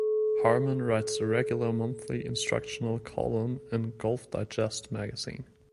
Harmon writes a regular monthly instructional column in "Golf Digest" magazine.